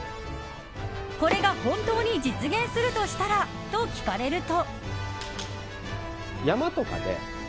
これが本当に実現するとしたら？と聞かれると。